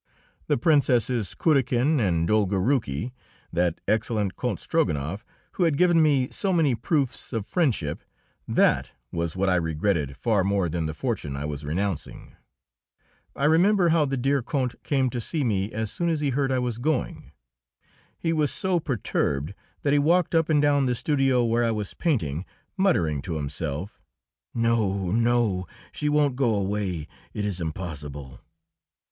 The Princesses Kurakin and Dolgoruki, that excellent Count Strogonoff, who had given me so many proofs of friendship that was what I regretted far more than the fortune I was renouncing. I remember how the dear Count came to see me as soon as he heard I was going. He was so perturbed that he walked up and down the studio where I was painting, muttering to himself, "No, no; she won't go away; it is impossible!"